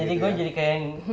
jadi gue jadi kayak yang